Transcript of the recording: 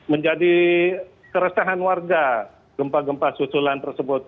menjadi keresahan warga gempa gempa susulan tersebut